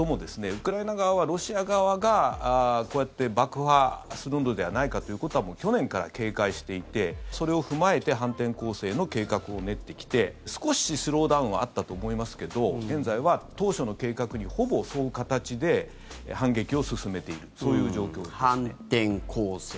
ウクライナ側はロシア側がこうやって爆破するのではないかということはもう去年から警戒していてそれを踏まえて反転攻勢の計画を練ってきて少しスローダウンはあったと思いますけど現在は当初の計画にほぼ沿う形で反撃を進めている反転攻勢。